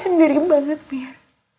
sendiri banget mir